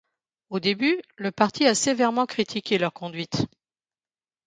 Au début, le parti a sévèrement critiqué leur conduite.